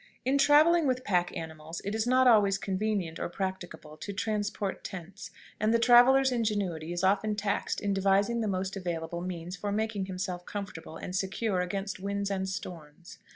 In traveling with pack animals it is not always convenient or practicable to transport tents, and the traveler's ingenuity is often taxed in devising the most available means for making himself comfortable and secure against winds and storms.